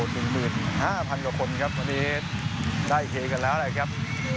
สิบหมื่นห้าพันกว่าคนครับวันนี้ได้เคกันแล้วเลยครับ